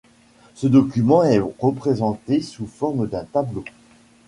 Ce document est représenté sous forme d'un tableau.